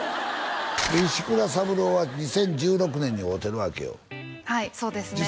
石倉三郎は２０１６年に会うてるわけよはいそうですね